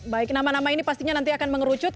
baik nama nama ini pastinya nanti akan mengerucut